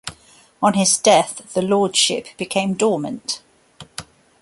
On his death the lordship became dormant.